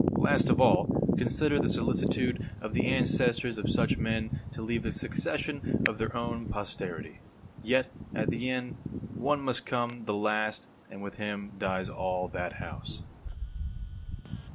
Last of all, consider the solicitude of the ancestors of such men to leave a succession of their own posterity. Yet, at the end, one must come the last, and with him dies all that house.